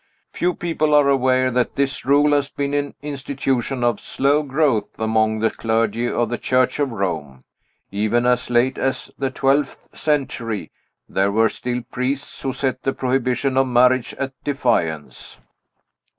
Few people are aware that this rule has been an institution of slow growth among the clergy of the Church of Rome. Even as late as the twelfth century, there were still priests who set the prohibition of marriage at defiance."